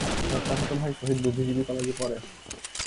তার চাচাতো ভাই শহীদ বুদ্ধিজীবী কলেজে পড়ে।